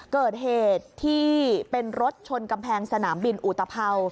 เกิดเหตุที่เป็นรถชนกำแพงสนามบินอุตภัวร์